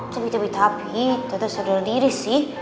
tapi tapi tapi tata sederhana diri sih